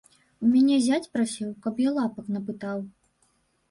У мяне зяць прасіў, каб я лапак напытаў.